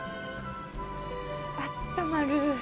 あったまる。